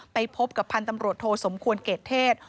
ไปพบกับพันธ์ตำรวจโทสมควรเกรดเทศ